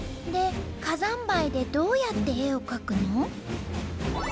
で火山灰でどうやって絵を描くの？